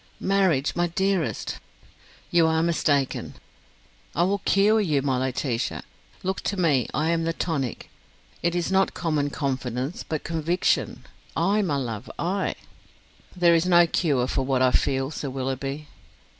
"Marriage, my dearest. .." "You are mistaken." "I will cure you, my Laetitia. Look to me, I am the tonic. It is not common confidence, but conviction. I, my love, I!" "There is no cure for what I feel, Sir Willoughby."